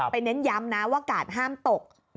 เน้นย้ำนะว่ากาดห้ามตก